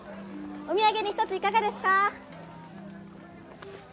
お土産に一ついかがですか？